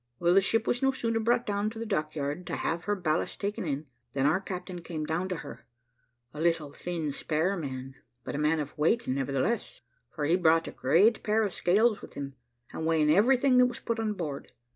Well, the ship was no sooner brought down to the dock yard to have her ballast taken in, than our captain came down to her a little, thin, spare man, but a man of weight nevertheless, for he brought a great pair of scales with him, and weighed everything that was put on board.